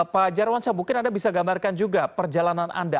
pak jarwansyah mungkin anda bisa gambarkan juga perjalanan anda